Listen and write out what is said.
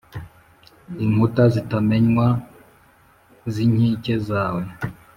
Inkuta zitamenwa z’inkike zawe,